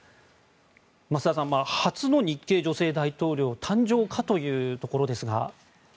増田さん、初の日系女性大統領誕生かというところですが。